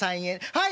はい！